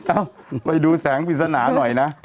เอ้าไปดูแสงปริศนาหน่อยนะ